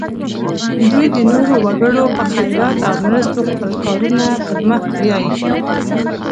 دوی د نورو وګړو په خیرات او مرستو خپل کارونه پر مخ بیایي.